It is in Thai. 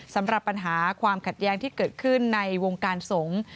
สำหรับปัญหาความขัดแย้งที่เกิดขึ้นในวงการสงฆ์